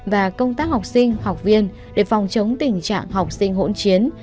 và công tác học sinh học viên để phòng chống tình trạng học sinh hỗn chiến